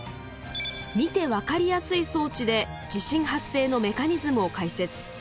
見て分かりやすい装置で地震発生のメカニズムを解説。